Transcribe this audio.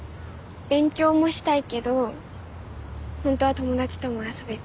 勉強もしたいけど本当は友達とも遊びたい。